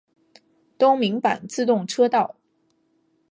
东名阪自动车道。